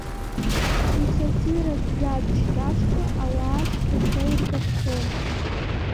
Исатиратә жәабжь кьаҿқәа ауаа цәгьашәа иргәаԥхон.